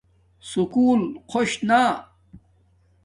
سکُول خوش نا